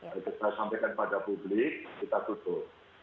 kita sampaikan pada publik kita tutup